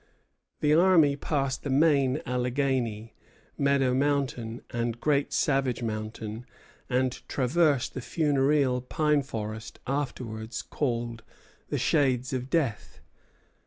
The army passed the main Alleghany, Meadow Mountain, and Great Savage Mountain, and traversed the funereal pine forest afterwards called the Shades of Death.